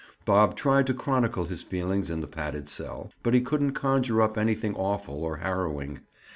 Bob tried to chronicle his feelings in the padded cell, but he couldn't conjure up anything awful or harrowing.